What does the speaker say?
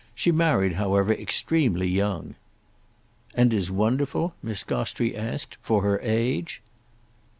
She married, however, extremely young." "And is wonderful," Miss Gostrey asked, "for her age?"